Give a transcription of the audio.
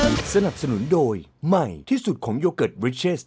กำนันถืดมีเมียน้อยเหรอ